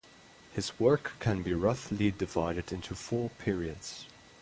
His work can be roughly divided into four periods.